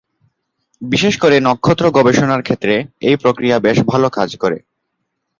বিশেষ করে নক্ষত্র গবেষণার ক্ষেত্রে এই প্রক্রিয়া বেশ ভালো কাজ করে।